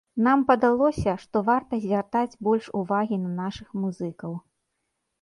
Нам падалося, што варта звяртаць больш увагі на нашых музыкаў.